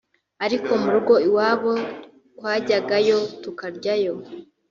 ariko mu rugo iwabo twajyagayo tukaryayo